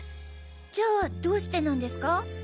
じゃあどうしてなんですか？